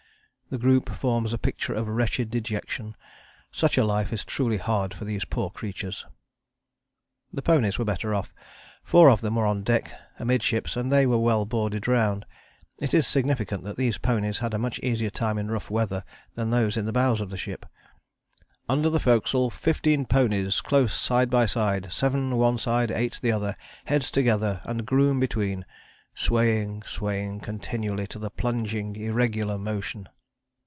The group forms a picture of wretched dejection; such a life is truly hard for these poor creatures." The ponies were better off. Four of them were on deck amidships and they were well boarded round. It is significant that these ponies had a much easier time in rough weather than those in the bows of the ship. "Under the forecastle fifteen ponies close side by side, seven one side, eight the other, heads together, and groom between swaying, swaying continually to the plunging, irregular motion."